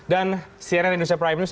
dan cnn indonesia prime news